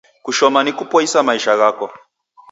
Kushoma ni kupoisa maisha ghako